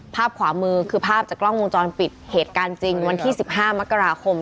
ภาพขวามือคือภาพจากกล้องวงจรปิดเหตุการณ์จริงวันที่๑๕มกราคม